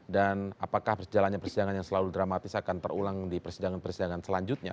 dan apakah perjalanan persidangan yang selalu dramatis akan terulang di persidangan persidangan selanjutnya